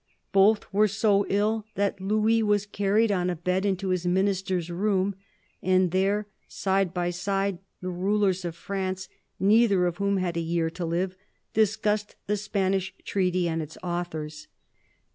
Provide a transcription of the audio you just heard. Both were so ill that Louis was carried on a bed into his Minister's room, and there, side by side, the rulers of France, neither of whom had a year to live, discussed the Spanish treaty and its authors.